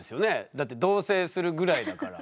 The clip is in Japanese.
だって同棲するぐらいだから。